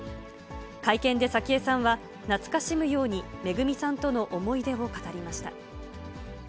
会見で早紀江さんは、懐かしむように、めぐみさんとの思い出を語りました。